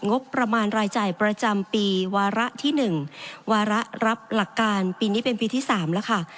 งบประมาณรายจ่ายประจำปีวาระที่๑วาระรับหลักการปีนี้เป็นปีที่๓แล้วค่ะ